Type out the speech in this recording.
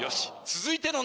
続いての。